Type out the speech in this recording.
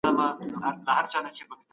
پوهه د هرې ستونزي حل دی.